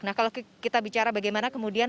nah kalau kita bicara bagaimana kemudian